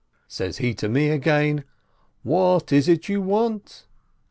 Says he to me again, "What is it you want